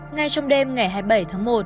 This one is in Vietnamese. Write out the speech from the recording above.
ngay trong đêm ngày hai mươi bảy tháng một